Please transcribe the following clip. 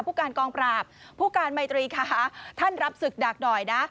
ผู้การกองปราบผู้การไมตรีค่ะท่านรับศึกหนักหน่อยนะ